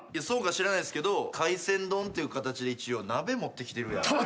そうか知らないですけど海鮮丼っていう形で一応鍋持ってきてるやん。